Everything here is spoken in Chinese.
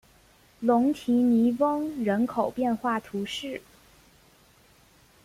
龙提尼翁人口变化图示